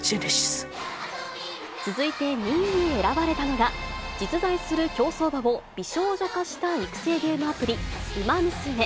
続いて、２位に選ばれたのは、実在する競走馬を美少女化した育成ゲームアプリ、ウマ娘。